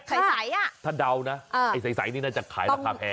ก็จะดาวนะไอ้ไซส์นี่น่าจะขายราคาแพง